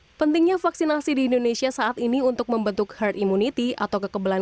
hai pentingnya vaksinasi di indonesia saat ini untuk membentuk her immunity atau kekebalan